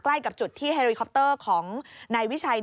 ใกล้กับจุดที่เฮริคอปเตอร์ของนายวิชัย